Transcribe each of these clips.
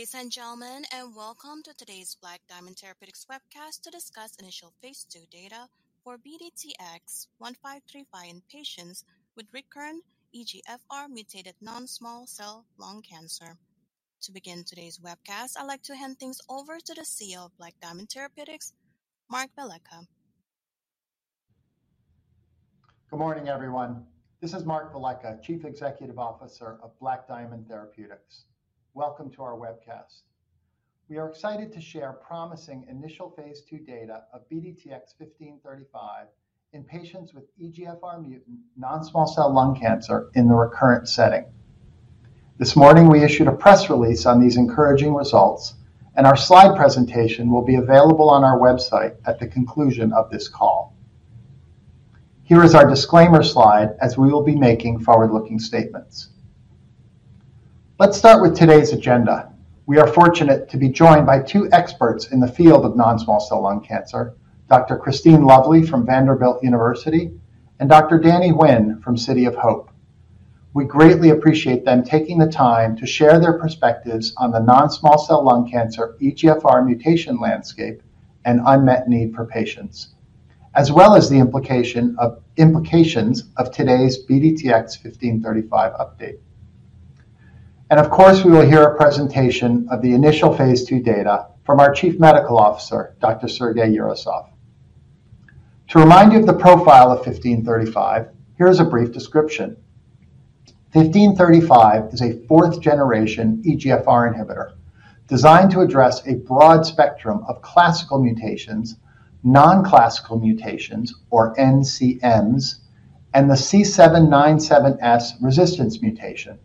Ladies and gentlemen, and welcome to today's Black Diamond Therapeutics webcast to discuss initial Phase II data for BDTX-1535 in patients with recurrent EGFR mutated non-small cell lung cancer. To begin today's webcast, I'd like to hand things over to the CEO of Black Diamond Therapeutics, Mark Velleca. Good morning, everyone. This is Mark Velleca, Chief Executive Officer of Black Diamond Therapeutics. Welcome to our webcast. We are excited to share promising initial Phase II data of BDTX-1535 in patients with EGFR mutant non-small cell lung cancer in the recurrent setting. This morning, we issued a press release on these encouraging results, and our slide presentation will be available on our website at the conclusion of this call. Here is our disclaimer slide as we will be making forward-looking statements. Let's start with today's agenda. We are fortunate to be joined by two experts in the field of non-small cell lung cancer, Dr. Christine Lovly from Vanderbilt University and Dr. Danny Nguyen from City of Hope. We greatly appreciate them taking the time to share their perspectives on the non-small cell lung cancer, EGFR mutation landscape and unmet need for patients, as well as the implications of today's BDTX-1535 update, and of course, we will hear a presentation of the initial Phase II data from our Chief Medical Officer, Dr. Sergey Yurasov. To remind you of the profile of 1535, here is a brief description: 1535 is a fourth-generation EGFR inhibitor designed to address a broad spectrum of classical mutations, non-classical mutations or NCMs, and the C797S resistance mutation.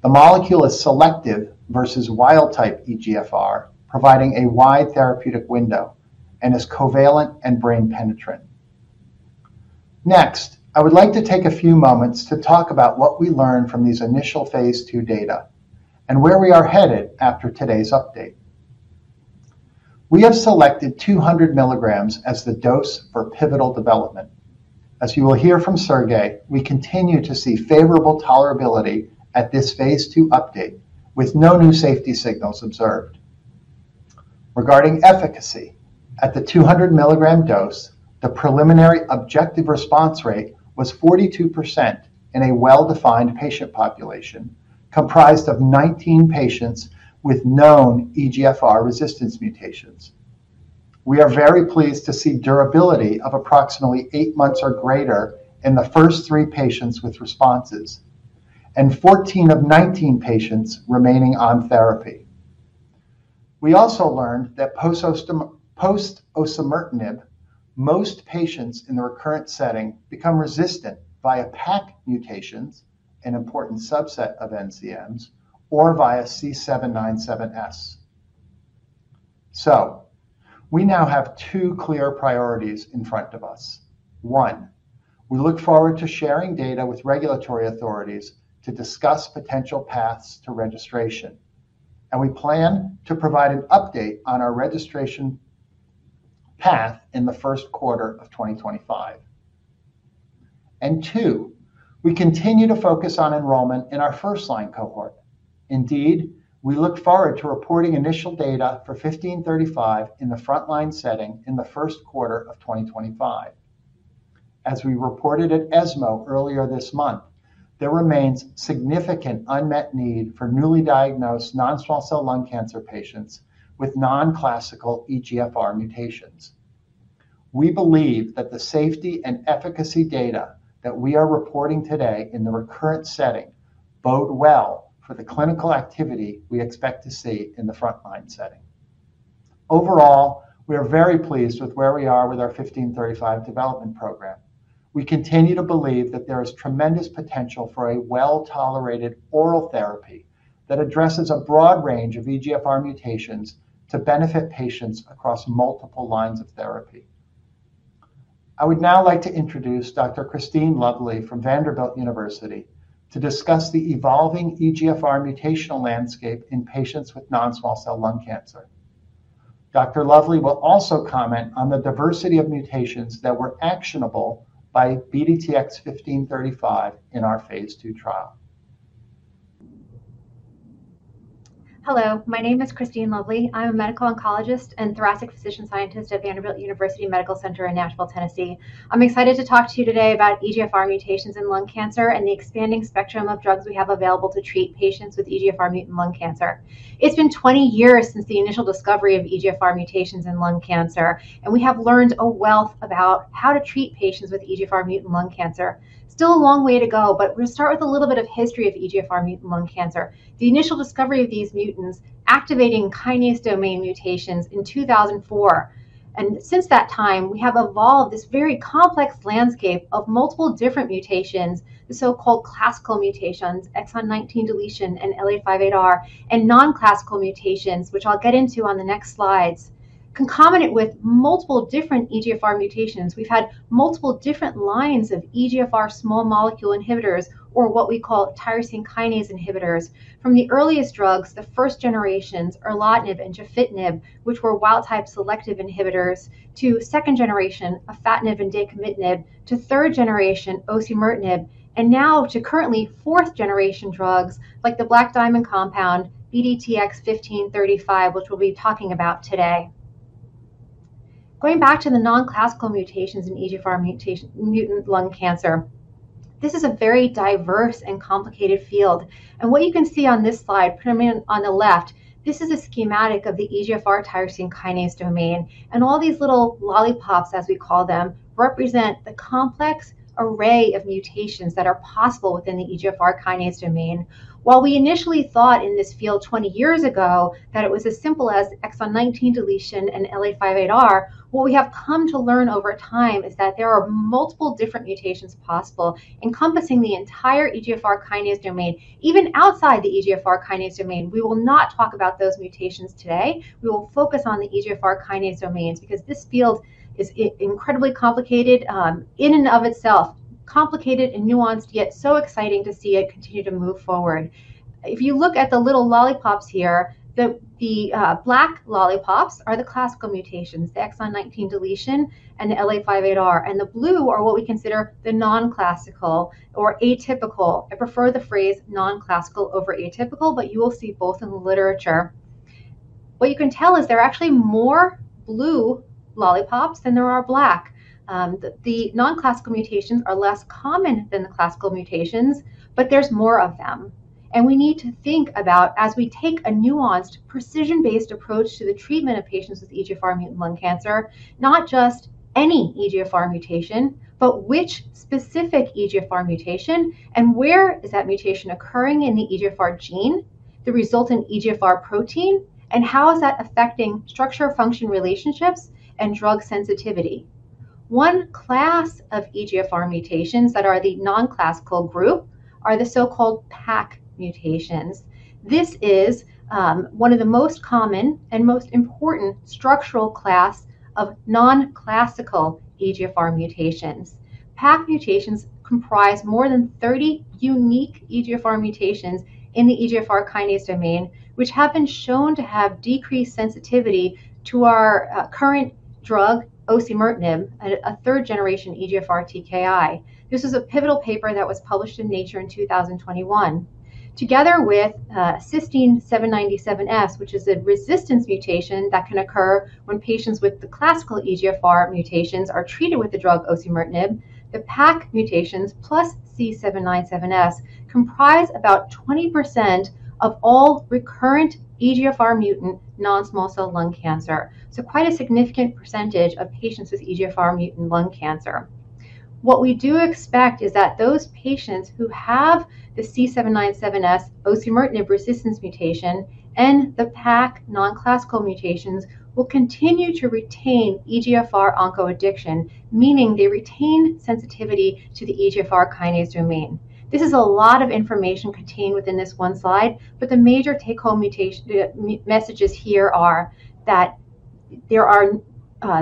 The molecule is selective versus wild-type EGFR, providing a wide therapeutic window and is covalent and brain penetrant. Next, I would like to take a few moments to talk about what we learned from these initial Phase II data and where we are headed after today's update. We have selected 200 mg as the dose for pivotal development. As you will hear from Sergey, we continue to see favorable tolerability at this Phase II update, with no new safety signals observed. Regarding efficacy, at the 200 milligram dose, the preliminary objective response rate was 42% in a well-defined patient population, comprised of 19 patients with known EGFR resistance mutations. We are very pleased to see durability of approximately eight months or greater in the first three patients with responses, and 14 of 19 patients remaining on therapy. We also learned that post-osimertinib, most patients in the recurrent setting become resistant via PACC mutations, an important subset of NCMs, or via C797S. So we now have two clear priorities in front of us. One, we look forward to sharing data with regulatory authorities to discuss potential paths to registration, and we plan to provide an update on our registration path in the first quarter of 2025. Two, we continue to focus on enrollment in our first-line cohort. Indeed, we look forward to reporting initial data for BDTX-1535 in the frontline setting in the first quarter of 2025. As we reported at ESMO earlier this month, there remains significant unmet need for newly diagnosed non-small cell lung cancer patients with non-classical EGFR mutations. We believe that the safety and efficacy data that we are reporting today in the recurrent setting bode well for the clinical activity we expect to see in the frontline setting. Overall, we are very pleased with where we are with our BDTX-1535 development program. We continue to believe that there is tremendous potential for a well-tolerated oral therapy that addresses a broad range of EGFR mutations to benefit patients across multiple lines of therapy. I would now like to introduce Dr. Christine Lovly from Vanderbilt University to discuss the evolving EGFR mutational landscape in patients with non-small cell lung cancer. Dr. Lovly will also comment on the diversity of mutations that were actionable by BDTX-1535 in our Phase II trial. Hello, my name is Christine Lovly. I'm a medical oncologist and thoracic physician scientist at Vanderbilt University Medical Center in Nashville, Tennessee. I'm excited to talk to you today about EGFR mutations in lung cancer and the expanding spectrum of drugs we have available to treat patients with EGFR mutant lung cancer. It's been 20 years since the initial discovery of EGFR mutations in lung cancer, and we have learned a wealth about how to treat patients with EGFR mutant lung cancer. Still a long way to go, but we'll start with a little bit of history of EGFR mutant lung cancer. The initial discovery of these mutants activating kinase domain mutations in 2004, and since that time, we have evolved this very complex landscape of multiple different mutations, the so-called classical mutations, exon 19 deletion and L858R, and non-classical mutations, which I'll get into on the next slides. Concomitant with multiple different EGFR mutations, we've had multiple different lines of EGFR small molecule inhibitors, or what we call tyrosine kinase inhibitors. From the earliest drugs, the first generations, erlotinib and gefitinib, which were wild-type selective inhibitors, to second generation, afatinib and dacomitinib, to third generation, osimertinib, and now to currently fourth-generation drugs like the Black Diamond compound, BDTX-1535, which we'll be talking about today. Going back to the non-classical mutations in EGFR mutant lung cancer, this is a very diverse and complicated field, and what you can see on this slide, primarily on the left, this is a schematic of the EGFR tyrosine kinase domain, and all these little lollipops, as we call them, represent the complex array of mutations that are possible within the EGFR kinase domain. While we initially thought in this field twenty years ago that it was as simple as exon 19 deletion and L858R, what we have come to learn over time is that there are multiple different mutations possible, encompassing the entire EGFR kinase domain, even outside the EGFR kinase domain. We will not talk about those mutations today. We will focus on the EGFR kinase domains, because this field is incredibly complicated, in and of itself, complicated and nuanced, yet so exciting to see it continue to move forward. If you look at the little lollipops here, the black lollipops are the classical mutations, the exon 19 deletion and the L858R, and the blue are what we consider the non-classical or atypical. I prefer the phrase non-classical over atypical, but you will see both in the literature. What you can tell is there are actually more blue lollipops than there are black. The non-classical mutations are less common than the classical mutations, but there's more of them, and we need to think about, as we take a nuanced, precision-based approach to the treatment of patients with EGFR mutant lung cancer, not just any EGFR mutation, but which specific EGFR mutation, and where is that mutation occurring in the EGFR gene, the resultant EGFR protein, and how is that affecting structure-function relationships and drug sensitivity? One class of EGFR mutations that are the non-classical group are the so-called PACC mutations. This is one of the most common and most important structural class of non-classical EGFR mutations. PACC mutations comprise more than thirty unique EGFR mutations in the EGFR kinase domain, which have been shown to have decreased sensitivity to our current drug, osimertinib, a third-generation EGFR TKI. This is a pivotal paper that was published in Nature in 2021. Together with cysteine 797S, which is a resistance mutation that can occur when patients with the classical EGFR mutations are treated with the drug osimertinib, the PACC mutations plus C797S comprise about 20% of all recurrent EGFR mutant non-small cell lung cancer, so quite a significant percentage of patients with EGFR mutant lung cancer. What we do expect is that those patients who have the C797S osimertinib resistance mutation and the PACC non-classical mutations will continue to retain EGFR oncogene addiction, meaning they retain sensitivity to the EGFR kinase domain. This is a lot of information contained within this one slide, but the major take-home messages here are that there are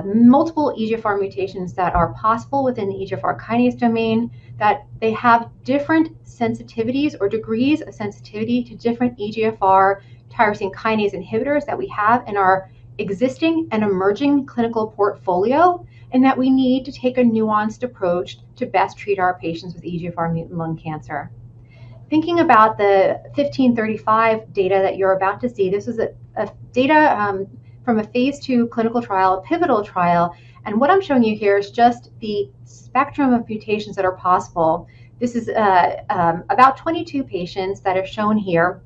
multiple EGFR mutations that are possible within the EGFR kinase domain, that they have different sensitivities or degrees of sensitivity to different EGFR tyrosine kinase inhibitors that we have in our existing and emerging clinical portfolio, and that we need to take a nuanced approach to best treat our patients with EGFR mutant lung cancer. Thinking about the 1535 data that you're about to see, this is data from a Phase II clinical trial, a pivotal trial, and what I'm showing you here is just the spectrum of mutations that are possible. This is about 22 patients that are shown here,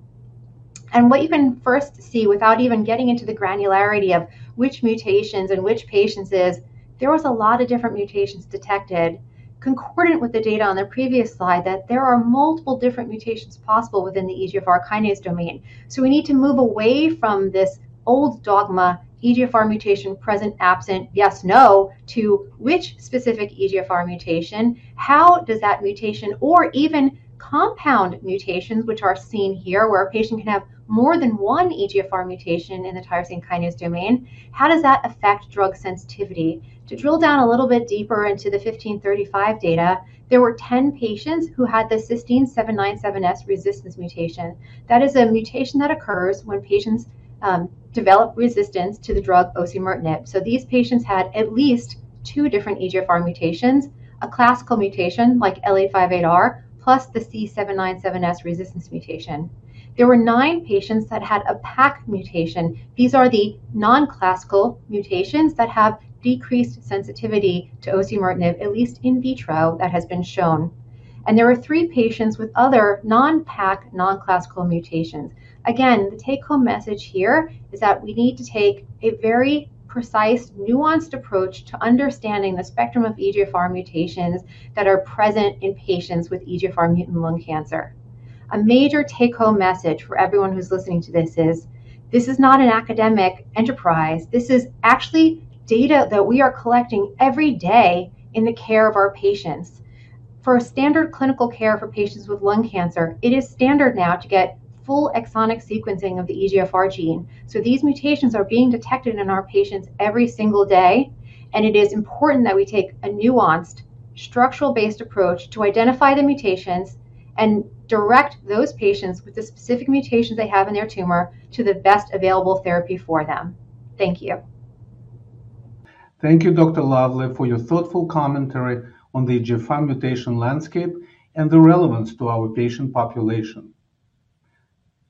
and what you can first see, without even getting into the granularity of which mutations and which patients is, there was a lot of different mutations detected, concordant with the data on the previous slide, that there are multiple different mutations possible within the EGFR kinase domain. So we need to move away from this old dogma, EGFR mutation present, absent, yes, no, to which specific EGFR mutation? How does that mutation or even compound mutations, which are seen here, where a patient can have more than one EGFR mutation in the tyrosine kinase domain, how does that affect drug sensitivity? To drill down a little bit deeper into the 1535 data, there were 10 patients who had the C797S resistance mutation. That is a mutation that occurs when patients develop resistance to the drug osimertinib. So these patients had at least two different EGFR mutations, a classical mutation like L858R, plus the C797S resistance mutation. There were nine patients that had a PACC mutation. These are the non-classical mutations that have decreased sensitivity to osimertinib, at least in vitro, that has been shown. And there were three patients with other non-PACC, non-classical mutations. Again, the take-home message here is that we need to take a very precise, nuanced approach to understanding the spectrum of EGFR mutations that are present in patients with EGFR mutant lung cancer. A major take-home message for everyone who's listening to this is, this is not an academic enterprise. This is actually data that we are collecting every day in the care of our patients. For a standard clinical care for patients with lung cancer, it is standard now to get full exonic sequencing of the EGFR gene. So these mutations are being detected in our patients every single day, and it is important that we take a nuanced, structural-based approach to identify the mutations and direct those patients with the specific mutations they have in their tumor to the best available therapy for them. Thank you. Thank you, Dr. Lovly, for your thoughtful commentary on the EGFR mutation landscape and the relevance to our patient population.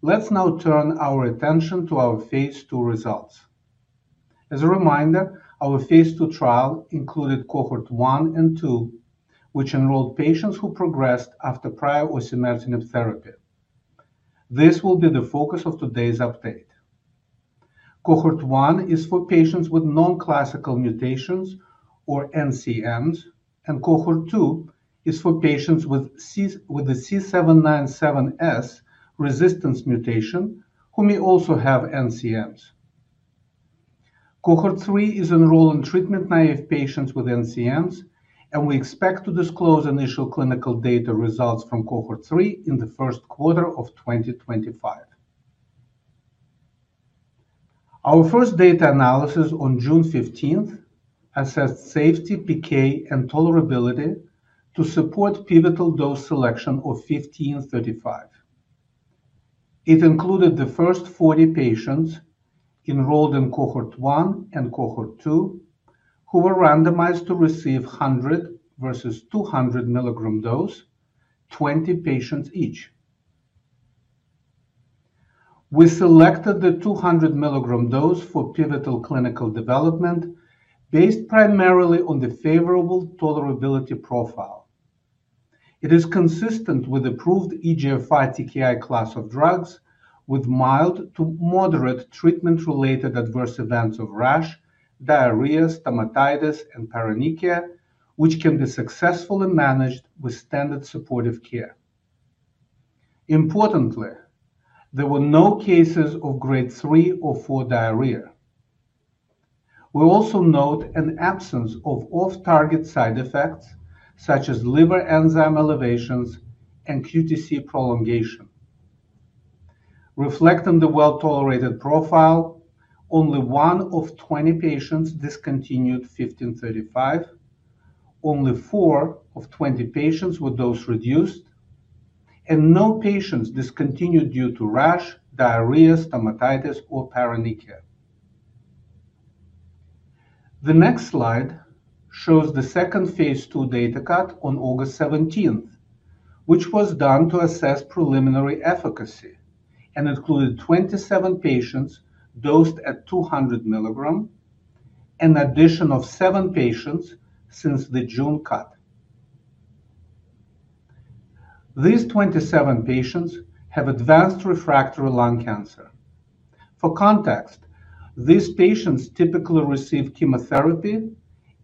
Let's now turn our attention to our Phase II results. As a reminder, our Phase II trial included Cohort 1 and 2, which enrolled patients who progressed after prior osimertinib therapy. This will be the focus of today's update. Cohort 1 is for patients with non-classical mutations or NCMs, and Cohort 2 is for patients with a C797S resistance mutation, who may also have NCMs. Cohort 3 is enrolling treatment-naive patients with NCMs, and we expect to disclose initial clinical data results from Cohort 3 in the first quarter of 2025. Our first data analysis on June fifteenth assessed safety, PK, and tolerability to support pivotal dose selection of 1535. It included the first 40 patients enrolled in Cohort 1 and Cohort 2, who were randomized to receive 100 versus 200 milligram dose, 20 patients each. We selected the 200 milligram dose for pivotal clinical development based primarily on the favorable tolerability profile. It is consistent with approved EGFR TKI class of drugs with mild to moderate treatment-related adverse events of rash, diarrhea, stomatitis, and paronychia, which can be successfully managed with standard supportive care. Importantly, there were no cases of grade 3 or 4 diarrhea. We also note an absence of off-target side effects, such as liver enzyme elevations and QTc prolongation. Reflecting the well-tolerated profile, only one of 20 patients discontinued 1535, only four of 20 patients with dose reduced, and no patients discontinued due to rash, diarrhea, stomatitis, or paronychia. The next slide shows the second Phase II data cut on August seventeenth, which was done to assess preliminary efficacy and included 27 patients dosed at 200 mg, an addition of 7 patients since the June cut. These 27 patients have advanced refractory lung cancer. For context, these patients typically receive chemotherapy,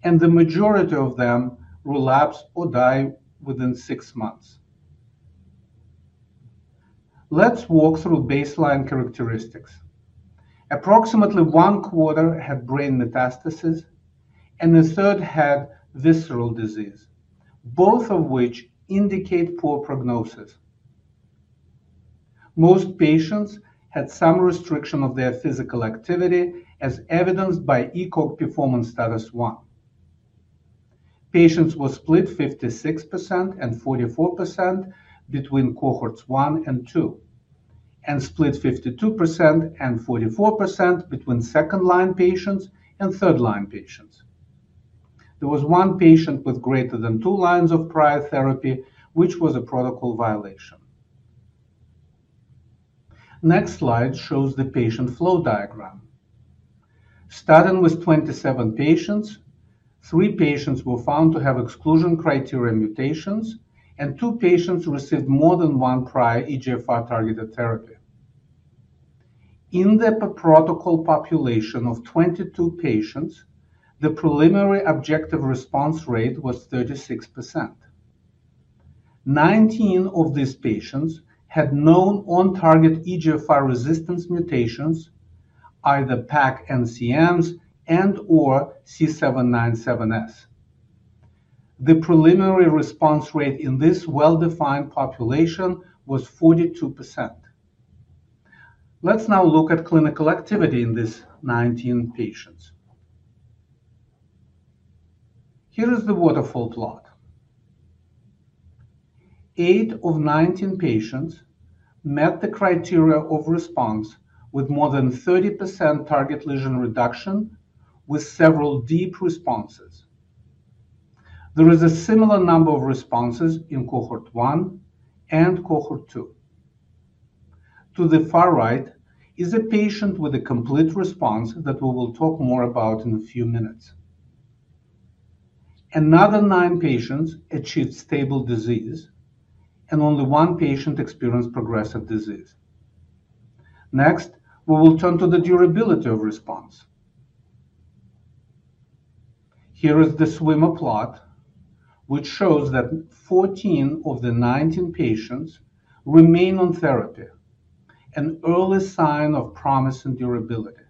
and the majority of them relapse or die within six months. Let's walk through baseline characteristics. Approximately one quarter had brain metastasis and a third had visceral disease, both of which indicate poor prognosis. Most patients had some restriction of their physical activity, as evidenced by ECOG Performance Status 1. Patients were split 56% and 44% between Cohorts 1 and 2, and split 52% and 44% between second-line patients and third-line patients. There was one patient with greater than two lines of prior therapy, which was a protocol violation. Next slide shows the patient flow diagram. Starting with 27 patients, three patients were found to have exclusion criteria mutations, and two patients received more than one prior EGFR-targeted therapy. In the per-protocol population of 22 patients, the preliminary objective response rate was 36%. 19 of these patients had known on-target EGFR resistance mutations, either PACC non-classical and/or C797S. The preliminary response rate in this well-defined population was 42%. Let's now look at clinical activity in these 19 patients. Here is the waterfall plot. 8 of 19 patients met the criteria of response with more than 30% target lesion reduction, with several deep responses. There is a similar number of responses in Cohort 1 and Cohort 2. To the far right is a patient with a complete response that we will talk more about in a few minutes. Another nine patients achieved stable disease, and only one patient experienced progressive disease. Next, we will turn to the durability of response. Here is the swimmer plot, which shows that 14 of the 19 patients remain on therapy, an early sign of promise and durability.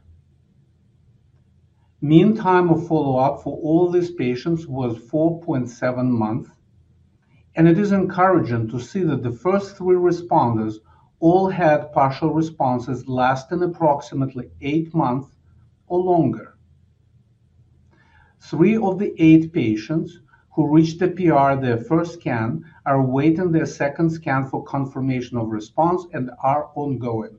Meantime, a follow-up for all these patients was 4.7 months, and it is encouraging to see that the first three responders all had partial responses lasting approximately eight months or longer. Three of the eight patients who reached the PR their first scan are awaiting their second scan for confirmation of response and are ongoing....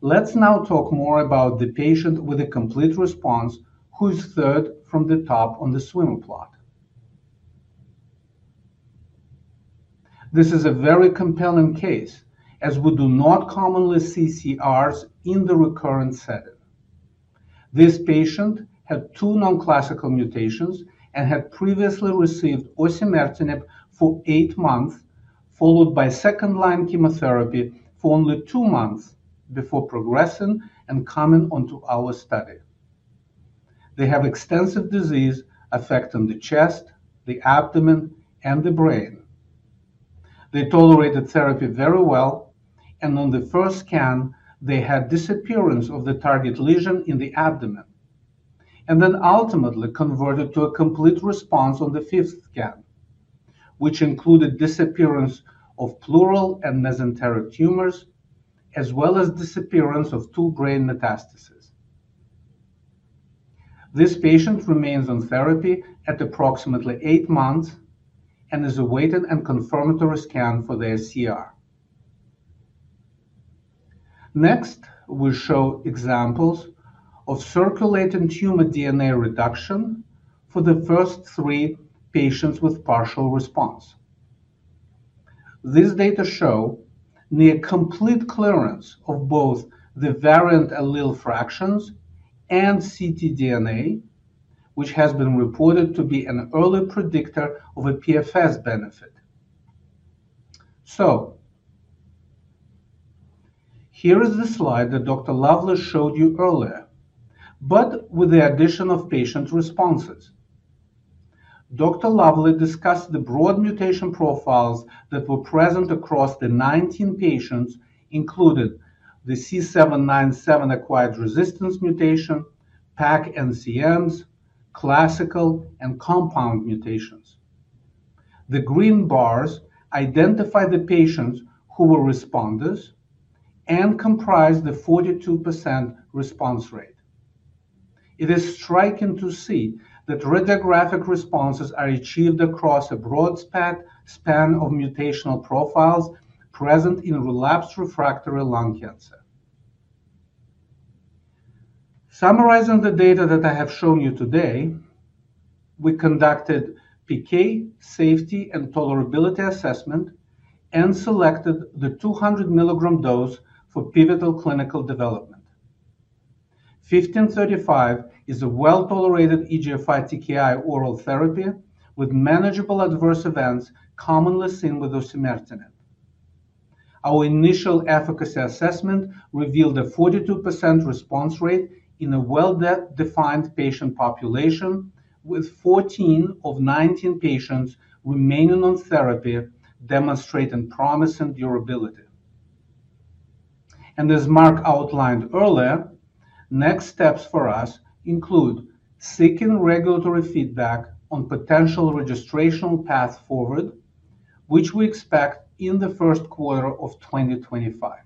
Let's now talk more about the patient with a complete response, who is third from the top on the swim plot. This is a very compelling case, as we do not commonly see CRs in the recurrent setting. This patient had two non-classical mutations and had previously received osimertinib for eight months, followed by second-line chemotherapy for only two months before progressing and coming onto our study. They have extensive disease affecting the chest, the abdomen, and the brain. They tolerated therapy very well, and on the first scan, they had disappearance of the target lesion in the abdomen and then ultimately converted to a complete response on the fifth scan, which included disappearance of pleural and mesenteric tumors, as well as disappearance of two brain metastases. This patient remains on therapy at approximately eight months and is awaiting a confirmatory scan for their CR. Next, we show examples of circulating tumor DNA reduction for the first three patients with partial response. These data show near complete clearance of both the variant allele fractions and ctDNA, which has been reported to be an early predictor of a PFS benefit. So, here is the slide that Dr. Lovly showed you earlier, but with the addition of patient responses. Dr. Lovly discussed the broad mutation profiles that were present across the 19 patients, including the C797S acquired resistance mutation, PACC, non-classical, classical and compound mutations. The green bars identify the patients who were responders and comprise the 42% response rate. It is striking to see that radiographic responses are achieved across a broad spectrum of mutational profiles present in relapsed refractory lung cancer. Summarizing the data that I have shown you today, we conducted PK safety and tolerability assessment and selected the 200 milligram dose for pivotal clinical development. BDTX-1535 is a well-tolerated EGFR TKI oral therapy with manageable adverse events commonly seen with osimertinib. Our initial efficacy assessment revealed a 42% response rate in a well-defined patient population, with 14 of 19 patients remaining on therapy, demonstrating promise and durability. As Mark outlined earlier, next steps for us include seeking regulatory feedback on potential registrational path forward, which we expect in the first quarter of 2025.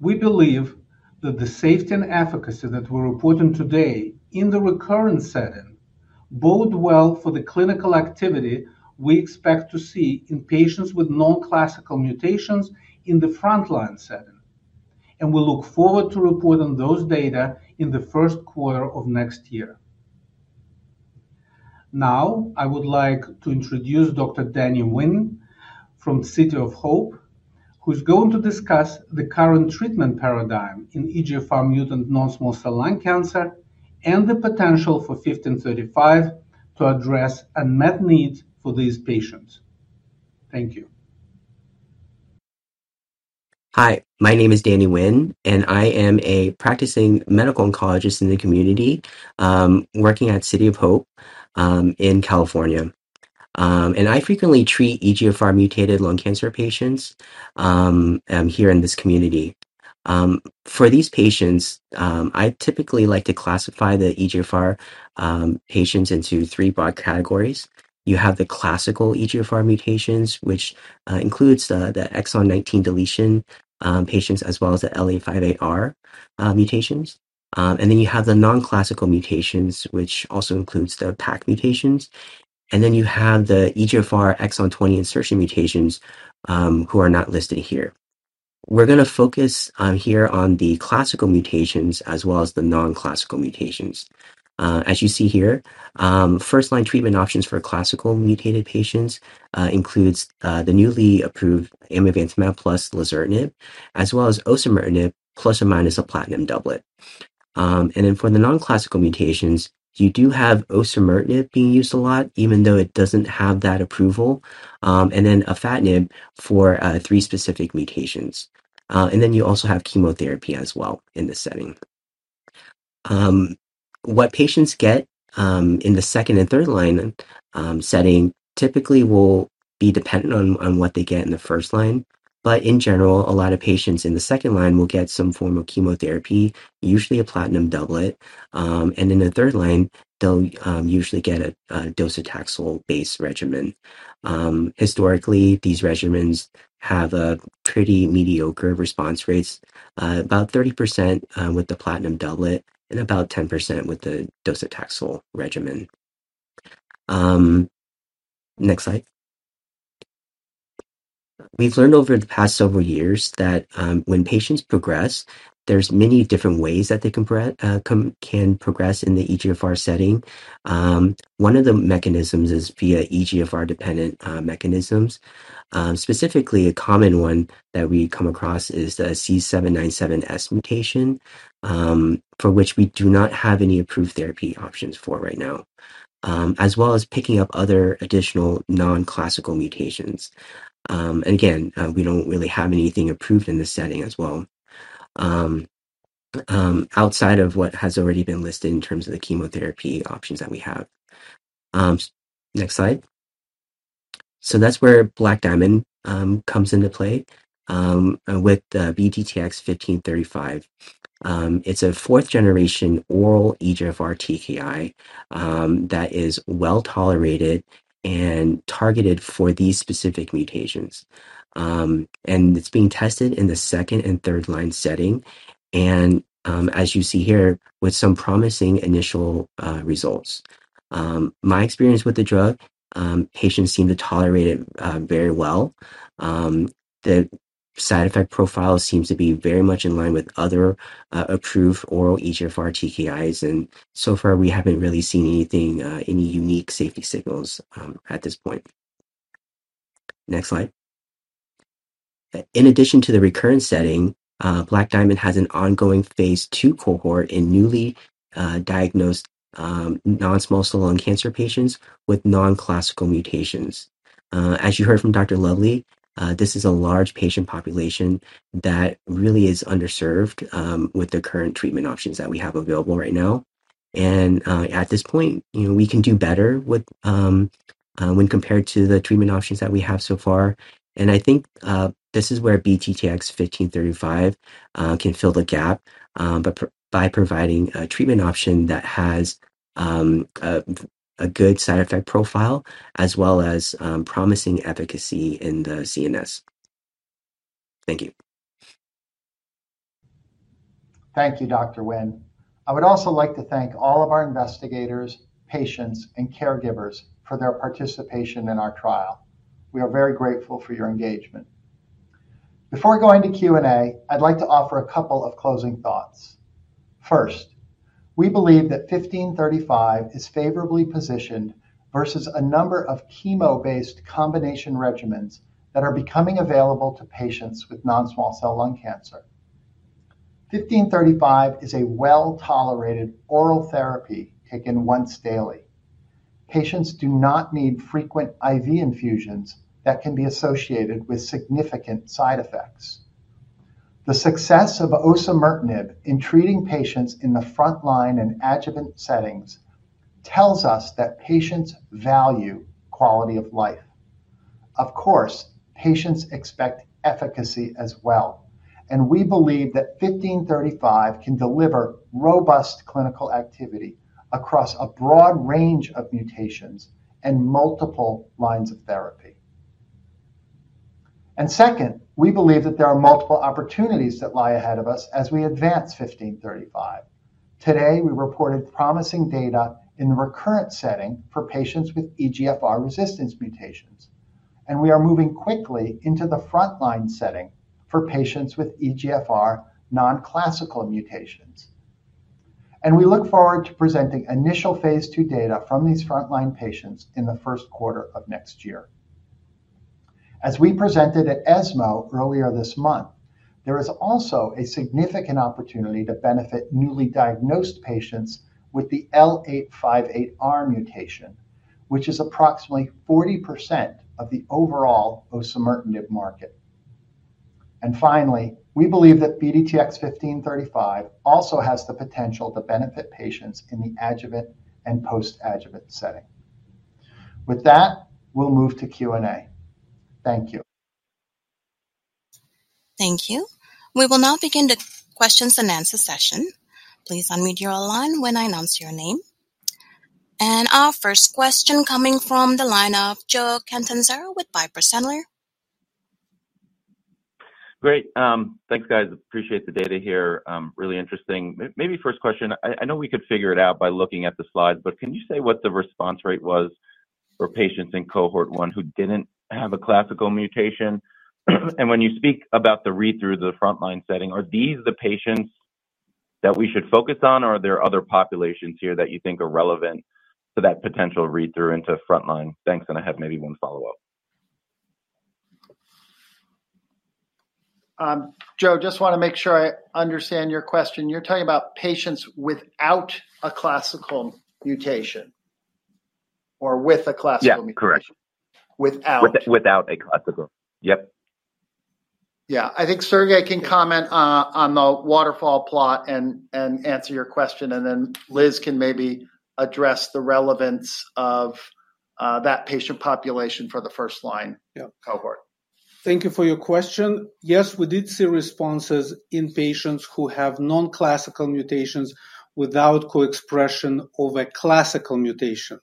We believe that the safety and efficacy that we're reporting today in the recurrent setting bode well for the clinical activity we expect to see in patients with non-classical mutations in the frontline setting, and we look forward to reporting those data in the first quarter of next year. Now, I would like to introduce Dr. Danny Nguyen from City of Hope, who's going to discuss the current treatment paradigm in EGFR mutant non-small cell lung cancer and the potential for 1535 to address unmet needs for these patients. Thank you. Hi, my name is Danny Nguyen, and I am a practicing medical oncologist in the community, working at City of Hope, in California. And I frequently treat EGFR mutated lung cancer patients, here in this community. For these patients, I typically like to classify the EGFR patients into three broad categories. You have the classical EGFR mutations, which includes the exon 19 deletion patients, as well as the L858R mutations. And then you have the non-classical mutations, which also includes the PACC mutations, and then you have the EGFR exon 20 insertion mutations, who are not listed here. We're gonna focus here on the classical mutations as well as the non-classical mutations. As you see here, first-line treatment options for classical mutated patients includes the newly approved amivantamab plus lazertinib, as well as osimertinib, plus or minus a platinum doublet, and then for the non-classical mutations, you do have osimertinib being used a lot, even though it doesn't have that approval, and then afatinib for three specific mutations, and then you also have chemotherapy as well in this setting. What patients get in the second and third-line setting typically will be dependent on what they get in the first line, but in general, a lot of patients in the second line will get some form of chemotherapy, usually a platinum doublet, and in the third line, they'll usually get a docetaxel-based regimen. Historically, these regimens have a pretty mediocre response rates, about 30%, with the platinum doublet and about 10% with the docetaxel regimen. Next slide. We've learned over the past several years that, when patients progress, there's many different ways that they can progress in the EGFR setting. One of the mechanisms is via EGFR-dependent mechanisms. Specifically, a common one that we come across is the C797S mutation, for which we do not have any approved therapy options for right now. As well as picking up other additional non-classical mutations. And again, we don't really have anything approved in this setting as well. Outside of what has already been listed in terms of the chemotherapy options that we have. Next slide. So that's where Black Diamond comes into play with BDTX-1535. It's a fourth-generation oral EGFR TKI that is well-tolerated and targeted for these specific mutations. And it's being tested in the second and third-line setting, and as you see here, with some promising initial results. My experience with the drug, patients seem to tolerate it very well. The side effect profile seems to be very much in line with other approved oral EGFR TKIs, and so far, we haven't really seen anything any unique safety signals at this point. Next slide. In addition to the recurrent setting, Black Diamond has an ongoing Phase II cohort in newly diagnosed non-small cell lung cancer patients with non-classical mutations. As you heard from Dr. Lovly, this is a large patient population that really is underserved with the current treatment options that we have available right now. At this point, you know, we can do better with when compared to the treatment options that we have so far. I think this is where BDTX-1535 can fill the gap by providing a treatment option that has a good side effect profile as well as promising efficacy in the CNS. Thank you. Thank you, Dr. Nguyen. I would also like to thank all of our investigators, patients, and caregivers for their participation in our trial. We are very grateful for your engagement. Before going to Q&A, I'd like to offer a couple of closing thoughts. First, we believe that BDTX-1535 is favorably positioned versus a number of chemo-based combination regimens that are becoming available to patients with non-small cell lung cancer. BDTX-1535 is a well-tolerated oral therapy taken once daily. Patients do not need frequent IV infusions that can be associated with significant side effects. The success of osimertinib in treating patients in the front line and adjuvant settings tells us that patients value quality of life. Of course, patients expect efficacy as well, and we believe that BDTX-1535 can deliver robust clinical activity across a broad range of mutations and multiple lines of therapy. And second, we believe that there are multiple opportunities that lie ahead of us as we advance 1535. Today, we reported promising data in the recurrent setting for patients with EGFR resistance mutations, and we are moving quickly into the front-line setting for patients with EGFR non-classical mutations. And we look forward to presenting initial Phase II data from these frontline patients in the first quarter of next year. As we presented at ESMO earlier this month, there is also a significant opportunity to benefit newly diagnosed patients with the L858R mutation, which is approximately 40% of the overall osimertinib market. And finally, we believe that BDTX-1535 also has the potential to benefit patients in the adjuvant and post-adjuvant setting. With that, we'll move to Q&A. Thank you. Thank you. We will now begin the questions and answer session. Please unmute your line when I announce your name, and our first question coming from the line of Joe Catanzaro with Piper Sandler. Great. Thanks, guys. Appreciate the data here. Really interesting. Maybe first question, I know we could figure it out by looking at the slides, but can you say what the response rate was for patients in Cohort 1 who didn't have a classical mutation? And when you speak about the read-through, the frontline setting, are these the patients that we should focus on, or are there other populations here that you think are relevant to that potential read-through into frontline? Thanks, and I have maybe one follow-up. Joe, just wanna make sure I understand your question. You're talking about patients without a classical mutation or with a classical mutation? Yeah, correct. Without. Without a classical, yep. Yeah. I think Sergey can comment on the waterfall plot and answer your question, and then Liz can maybe address the relevance of that patient population for the first line- Yeah. -cohort. Thank you for your question. Yes, we did see responses in patients who have non-classical mutations without coexpression of a classical mutation,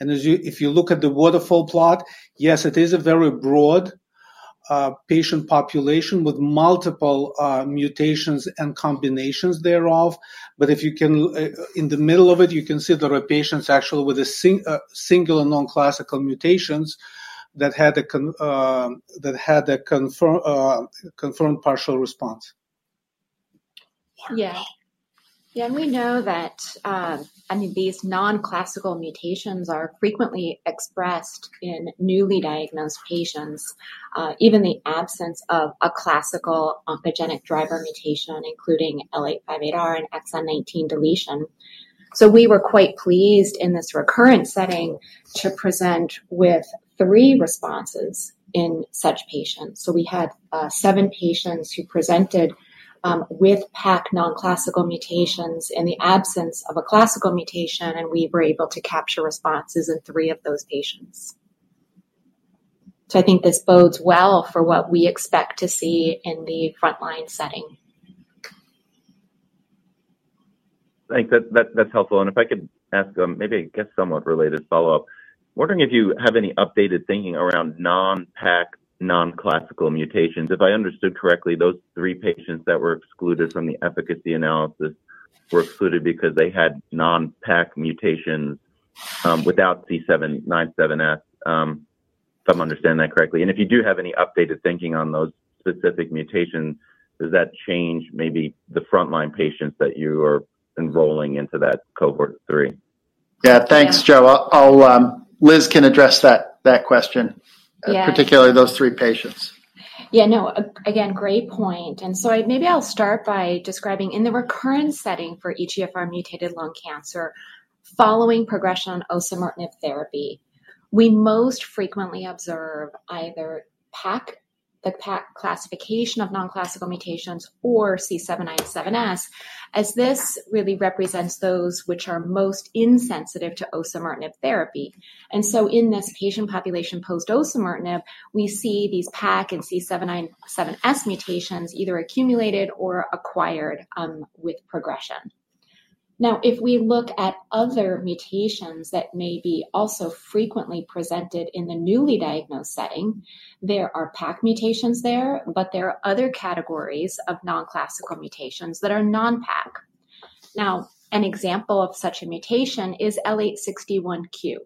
and as you, if you look at the waterfall plot, yes, it is a very broad-... patient population with multiple mutations and combinations thereof. But if you can, in the middle of it, you can see there are patients actually with a singular non-classical mutations that had a confirmed partial response. Yeah. Yeah, and we know that, I mean, these non-classical mutations are frequently expressed in newly diagnosed patients, even the absence of a classical oncogenic driver mutation, including L858R and exon nineteen deletion. So we were quite pleased in this recurrent setting to present with three responses in such patients. So we had, seven patients who presented, with PACC non-classical mutations in the absence of a classical mutation, and we were able to capture responses in three of those patients. So I think this bodes well for what we expect to see in the frontline setting. Thanks. That's helpful. And if I could ask, maybe I guess, a somewhat related follow-up. Wondering if you have any updated thinking around non-PACC, non-classical mutations. If I understood correctly, those three patients that were excluded from the efficacy analysis were excluded because they had non-PACC mutations, without C797S, if I understand that correctly. And if you do have any updated thinking on those specific mutations, does that change maybe the frontline patients that you are enrolling into that Cohort 3? Yeah. Thanks, Joe. Liz can address that question- Yeah. particularly those three patients. Yeah, no, again, great point, and so I maybe I'll start by describing in the recurrent setting for EGFR mutated lung cancer, following progression osimertinib therapy, we most frequently observe either PACC, the PACC classification of non-classical mutations, or C797S, as this really represents those which are most insensitive to osimertinib therapy. And so in this patient population, post osimertinib, we see these PACC and C797S mutations either accumulated or acquired, with progression. Now, if we look at other mutations that may be also frequently presented in the newly diagnosed setting, there are PACC mutations there, but there are other categories of non-classical mutations that are non-PACC. Now, an example of such a mutation is L861Q.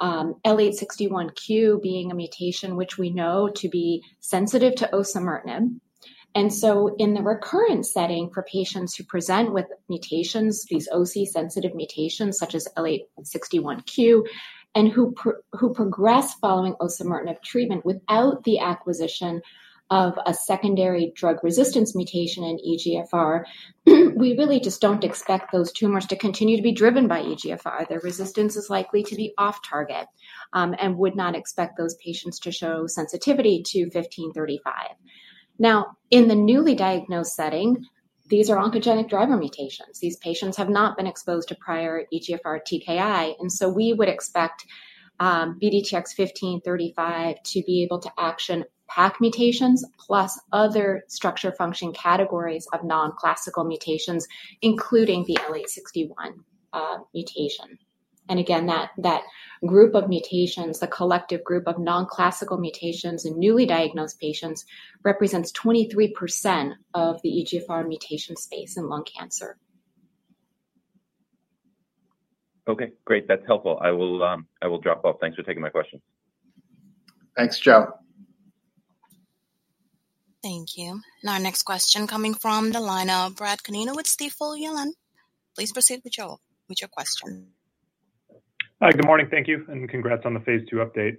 L861Q being a mutation which we know to be sensitive to osimertinib. And so in the recurrent setting, for patients who present with mutations, these osimertinib-sensitive mutations, such as L861Q, and who progress following osimertinib treatment without the acquisition of a secondary drug resistance mutation in EGFR, we really just don't expect those tumors to continue to be driven by EGFR. Their resistance is likely to be off target, and would not expect those patients to show sensitivity to 1535. Now, in the newly diagnosed setting, these are oncogenic driver mutations. These patients have not been exposed to prior EGFR TKI, and so we would expect BDTX-1535 to be able to act on PACC mutations, plus other structure-function categories of non-classical mutations, including the L861Q mutation. Again, that group of mutations, the collective group of non-classical mutations in newly diagnosed patients, represents 23% of the EGFR mutation space in lung cancer. Okay, great. That's helpful. I will drop off. Thanks for taking my questions. Thanks, Joe. Thank you. Now our next question coming from the line of Brad Canino with Stifel Nicolaus. Please proceed, Michel, with your question. Hi, good morning. Thank you, and congrats on the Phase II update.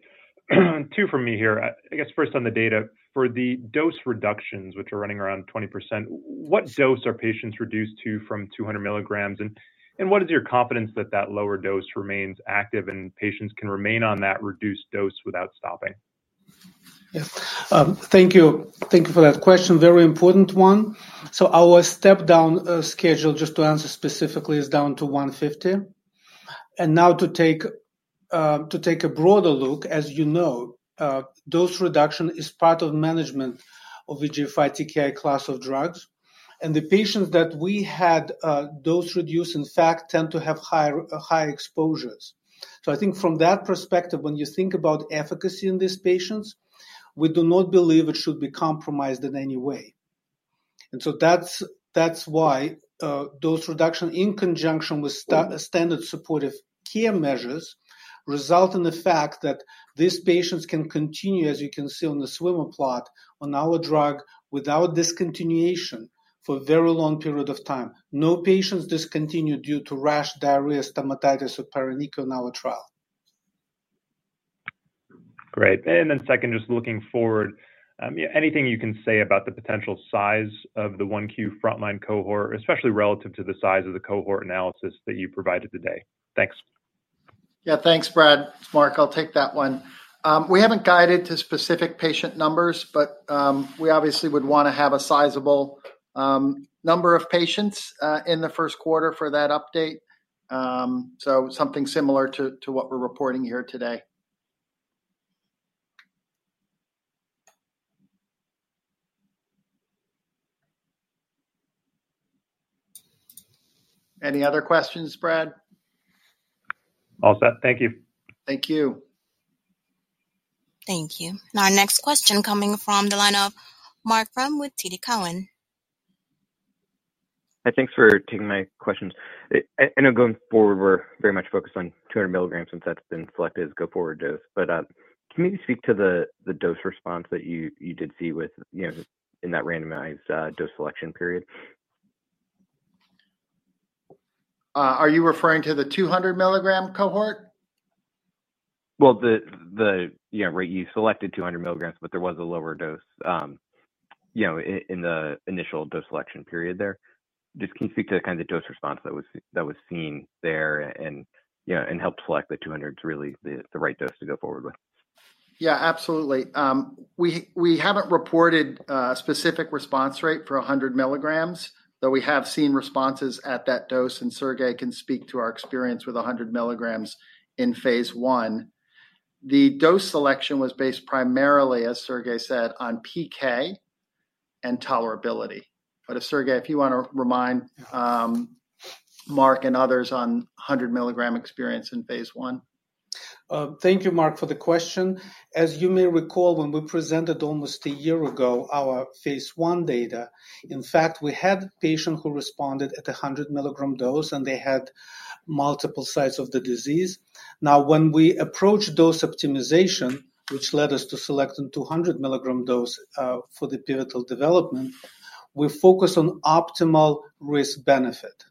Two from me here. I guess first on the data. For the dose reductions, which are running around 20%, what dose are patients reduced to from 200 mg? And what is your confidence that that lower dose remains active, and patients can remain on that reduced dose without stopping? Yes, thank you. Thank you for that question. Very important one. So our step-down schedule, just to answer specifically, is down to 150. And now to take a broader look, as you know, dose reduction is part of management of the EGFR TKI class of drugs. And the patients that we had dose reduce, in fact, tend to have higher exposures. So I think from that perspective, when you think about efficacy in these patients, we do not believe it should be compromised in any way. And so that's why dose reduction in conjunction with standard supportive care measures result in the fact that these patients can continue, as you can see on the swimmer plot, on our drug without discontinuation for a very long period of time. No patients discontinued due to rash, diarrhea, stomatitis, or paronychia in our trial. Great, and then second, just looking forward, anything you can say about the potential size of the 1Q frontline cohort, especially relative to the size of the cohort analysis that you provided today? Thanks. Yeah, thanks, Brad. Mark, I'll take that one. We haven't guided to specific patient numbers, but we obviously would want to have a sizable number of patients in the first quarter for that update. So something similar to what we're reporting here today. ...Any other questions, Brad? All set. Thank you. Thank you. Thank you. Our next question coming from the line of Marc Frahm with TD Cowen. Hi, thanks for taking my questions. I know going forward, we're very much focused on 200 mg, since that's been selected as go forward dose. But, can you speak to the dose response that you did see with, you know, in that randomized dose selection period? Are you referring to the 200 mg cohort? Yeah, right, you selected 200 mg, but there was a lower dose, you know, in the initial dose selection period there. Just can you speak to the kind of dose response that was seen there and, you know, and helped select the 200 to really the right dose to go forward with? Yeah, absolutely. We haven't reported specific response rate for a 100 mg, though we have seen responses at that dose, and Sergey can speak to our experience with a 100 mg in Phase I. The dose selection was based primarily, as Sergey said, on PK and tolerability. But Sergey, if you wanna remind, Mark and others on 100 mg experience in Phase I. Thank you, Mark, for the question. As you may recall, when we presented almost a year ago, our Phase I data, in fact, we had patient who responded at a 100-milligram dose, and they had multiple sites of the disease. Now, when we approach dose optimization, which led us to select the 200-milligram dose for the pivotal development, we focus on optimal risk-benefit.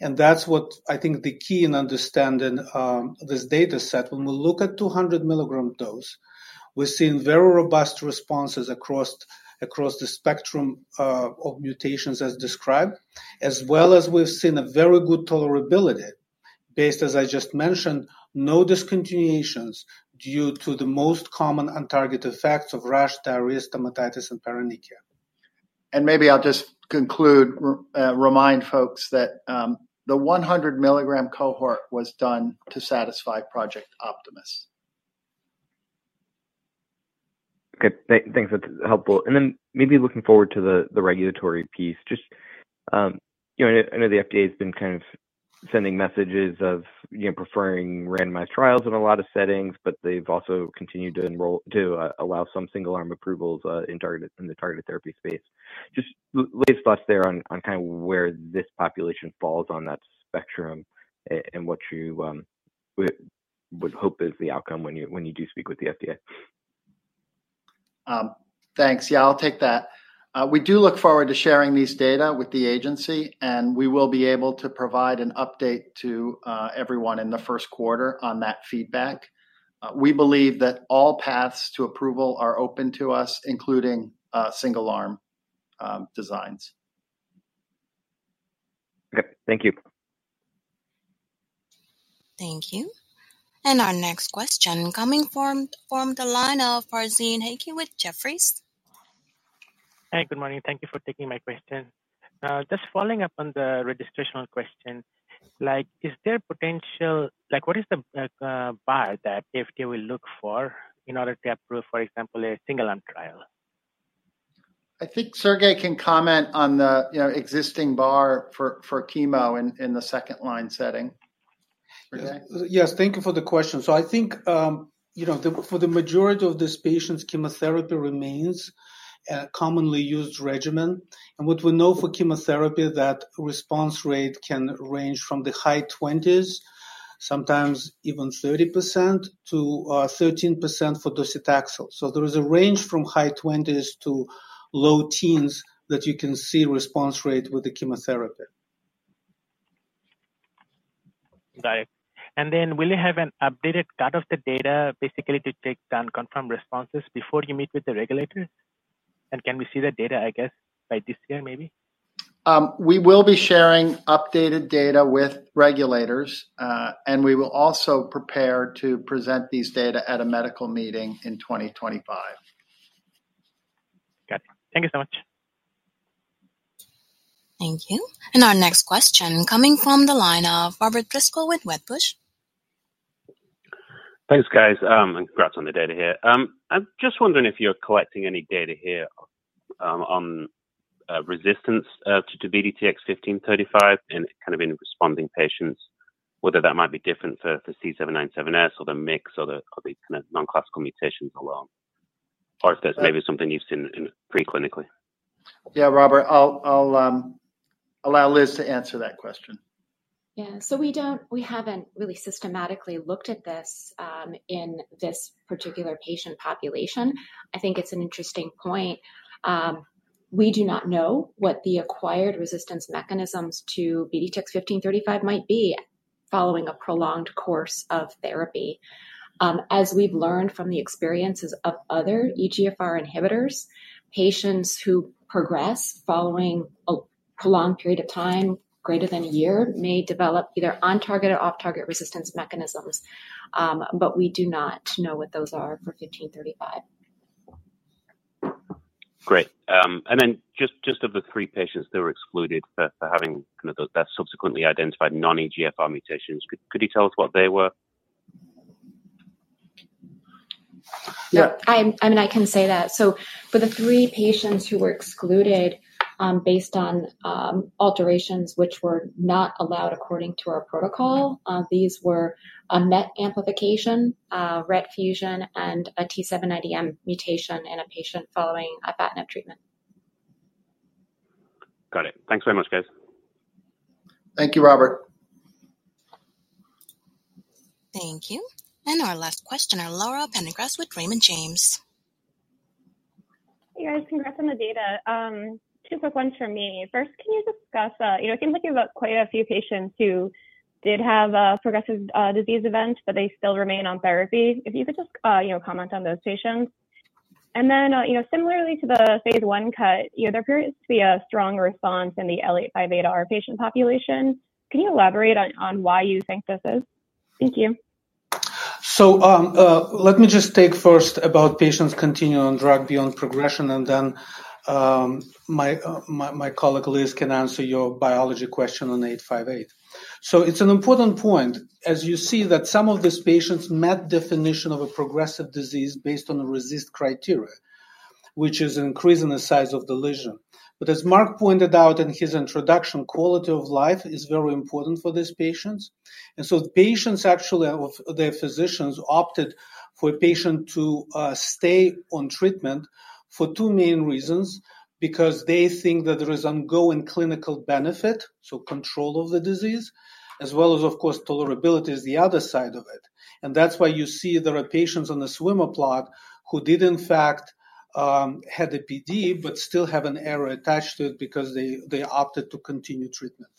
And that's what I think the key in understanding this data set. When we look at 200-milligram dose, we're seeing very robust responses across the spectrum of mutations as described, as well as we've seen a very good tolerability. Based, as I just mentioned, no discontinuations due to the most common untargeted effects of rash, diarrhea, stomatitis, and paronychia. Maybe I'll just conclude, remind folks that the one hundred milligram cohort was done to satisfy Project Optimus. Okay. Thanks, that's helpful. And then maybe looking forward to the regulatory piece, just, you know, I know the FDA has been kind of sending messages of, you know, preferring randomized trials in a lot of settings, but they've also continued to allow some single-arm approvals in targeted, in the targeted therapy space. Just lay out your thoughts there on kind of where this population falls on that spectrum, and what you would hope is the outcome when you do speak with the FDA. Thanks. Yeah, I'll take that. We do look forward to sharing these data with the agency, and we will be able to provide an update to everyone in the first quarter on that feedback. We believe that all paths to approval are open to us, including single-arm designs. Okay, thank you. Thank you. And our next question coming from the line of Farzin Haque with Jefferies. Hi, good morning. Thank you for taking my question. Just following up on the registrational question, like, is there potential - like, what is the bar that FDA will look for in order to approve, for example, a single-arm trial? I think Sergey can comment on the, you know, existing bar for chemo in the second line setting. Sergey? Yes. Thank you for the question, so I think, you know, for the majority of these patients, chemotherapy remains a commonly used regimen, and what we know for chemotherapy, that response rate can range from the high twenties, sometimes even 30% to 13% for docetaxel. There is a range from high twenties to low teens that you can see response rate with the chemotherapy. Got it. And then will you have an updated cut of the data, basically to take down confirmed responses before you meet with the regulators? And can we see the data, I guess, by this year, maybe? We will be sharing updated data with regulators, and we will also prepare to present these data at a medical meeting in 2025. Got it. Thank you so much. Thank you. And our next question coming from the line of Robert Driscoll with Wedbush. Thanks, guys, and congrats on the data here. I'm just wondering if you're collecting any data here on resistance to BDTX-1535 and kind of in responding patients, whether that might be different for the C797S or the mix or the, or the kind of non-classical mutations alone, or if there's maybe something you've seen in preclinically? Yeah, Robert, I'll allow Liz to answer that question. Yeah. So we don't, we haven't really systematically looked at this in this particular patient population. I think it's an interesting point. We do not know what the acquired resistance mechanisms to BDTX-1535 might be following a prolonged course of therapy. As we've learned from the experiences of other EGFR inhibitors, patients who progress following a prolonged period of time, greater than a year, may develop either on-target or off-target resistance mechanisms, but we do not know what those are for BDTX-1535. Great. And then just of the three patients that were excluded for having kind of those that subsequently identified non-EGFR mutations, could you tell us what they were? Yeah, I mean, I can say that. So for the three patients who were excluded, based on alterations which were not allowed according to our protocol, these were a MET amplification, a RET fusion, and a T790M mutation in a patient following an afatinib treatment. Got it. Thanks very much, guys. Thank you, Robert. Thank you, and our last question, our Laura Prendergast with Raymond James. Hey, guys. Congrats on the data. Two quick ones for me. First, can you discuss, you know, it seems like you've got quite a few patients who did have a progressive disease event, but they still remain on therapy. If you could just, you know, comment on those patients. And then, you know, similarly to the Phase I cut, you know, there appears to be a strong response in the L858R patient population. Can you elaborate on why you think this is? Thank you. So, let me just talk first about patients continuing on drug beyond progression, and then, my colleague, Liz, can answer your biology question on L858R. So it's an important point, as you see, that some of these patients met definition of a progressive disease based on the RECIST criteria, which is an increase in the size of the lesion. But as Mark pointed out in his introduction, quality of life is very important for these patients. And so the patients, actually, or their physicians, opted for a patient to stay on treatment for two main reasons: because they think that there is ongoing clinical benefit, so control of the disease, as well as, of course, tolerability is the other side of it. And that's why you see there are patients on the swimmer plot who did, in fact, had a PD, but still have an arrow attached to it because they opted to continue treatment.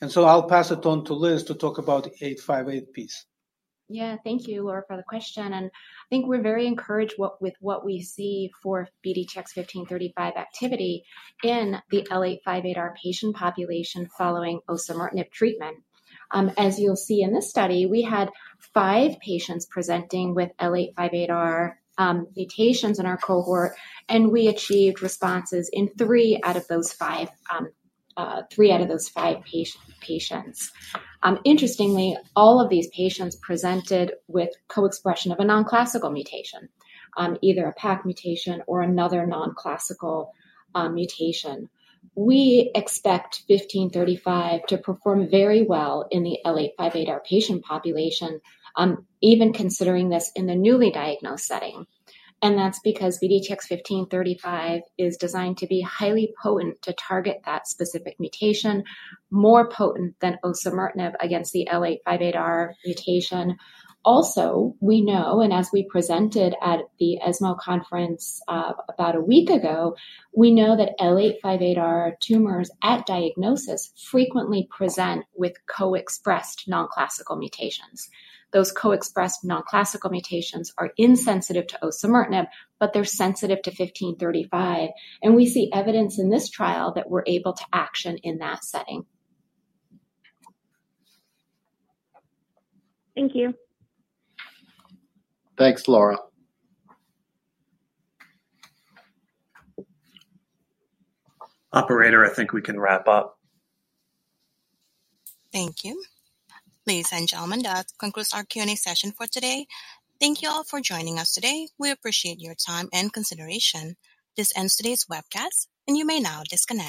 And so I'll pass it on to Liz to talk about L858R. Yeah. Thank you, Laura, for the question, and I think we're very encouraged with what we see for BDTX-1535 activity in the L858R patient population following osimertinib treatment. As you'll see in this study, we had five patients presenting with L858R mutations in our cohort, and we achieved responses in three out of those five patients. Interestingly, all of these patients presented with co-expression of a non-classical mutation, either a PACC mutation or another non-classical mutation. We expect BDTX-1535 to perform very well in the L858R patient population, even considering this in the newly diagnosed setting. And that's because BDTX-1535 is designed to be highly potent to target that specific mutation, more potent than osimertinib against the L858R mutation. Also, we know, and as we presented at the ESMO conference, about a week ago, we know that L858R tumors at diagnosis frequently present with co-expressed non-classical mutations. Those co-expressed non-classical mutations are insensitive to osimertinib, but they're sensitive to 1535, and we see evidence in this trial that we're able to action in that setting. Thank you. Thanks, Laura. Operator, I think we can wrap up. Thank you. Ladies and gentlemen, that concludes our Q&A session for today. Thank you all for joining us today. We appreciate your time and consideration. This ends today's webcast, and you may now disconnect.